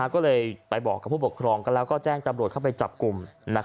ก็เลยไปบอกกับผู้ปกครองแล้วก็แจ้งตำรวจเข้าไปจับกลุ่ม